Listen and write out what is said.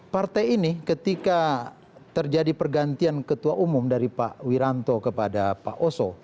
partai ini ketika terjadi pergantian ketua umum dari pak wiranto kepada pak oso